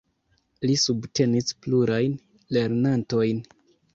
Li subtenis plurajn lernantojn.